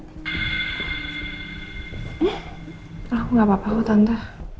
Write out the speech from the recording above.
gak apa apa kok tante